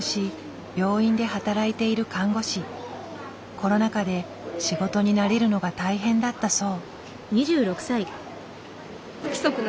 コロナ禍で仕事に慣れるのが大変だったそう。